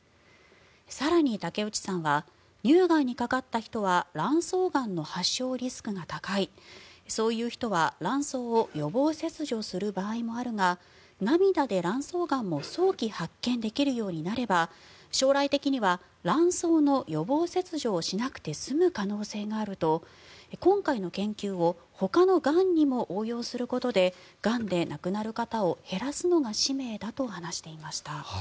更に、竹内さんは乳がんにかかった人は卵巣がんの発症リスクが高いそういう人は卵巣を予防切除する場合もあるが涙で卵巣がんも早期発見できるようになれば将来的には卵巣の予防切除をしなくて済む可能性があると今回の研究をほかのがんにも応用することでがんで亡くなる方を減らすのが使命だと話していました。